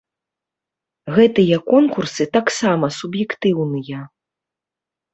Гэтыя конкурсы таксама суб'ектыўныя.